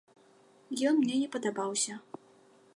Ён мне не падабаўся.